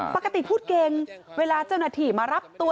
ปกติพูดเก่งเวลาเจ้าหน้าที่มารับตัว